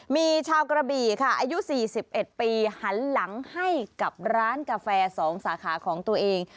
มีชาวกระบี่ค่ะอายุ๔๑ปีหันหลังให้กับร้านกาแฟ๒สาขาของตัวเอง